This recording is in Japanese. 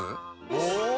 お！